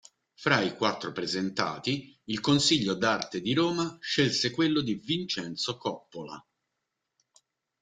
Fra i quattro presentati, il Consiglio d'Arte di Roma scelse quello di Vincenzo Coppola.